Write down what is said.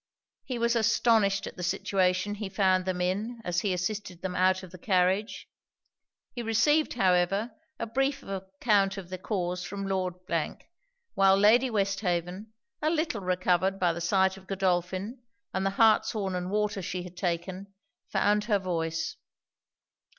He was astonished at the situation he found them in, as he assisted them out of the carriage. He received, however, a brief account of the cause from Lord ; while Lady Westhaven, a little recovered by the sight of Godolphin and the hartshorn and water she had taken, found her voice.